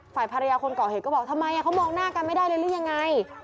ฝ่ายภรรยาคนก่อเหตุก็บอกทำไมเขามองหน้ากันไม่ได้เลยหรือยังไง